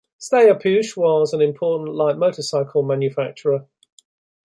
Steyr Puch was an important light motorcycle manufacturer.